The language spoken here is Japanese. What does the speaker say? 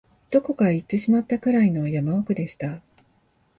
どこかへ行ってしまったくらいの山奥でした